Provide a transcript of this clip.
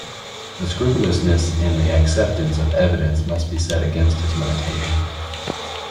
This scrupulousness in the acceptance of evidence must be set against his limitations.